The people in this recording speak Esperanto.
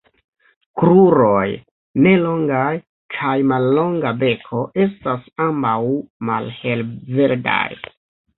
Kruroj -ne longaj- kaj mallonga beko estas ambaŭ malhelverdaj.